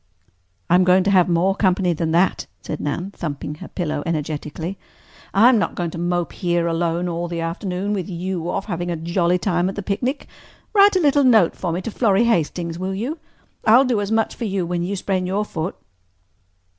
"I'm going to have more company than that," said Nan, thumping her pillow energetically. "I'm not going to mope here alone all the afternoon, with you off having a jolly time at the picnic. Write a little note for me to Florrie Hastings, will you? I'll do as much for you when you sprain your foot."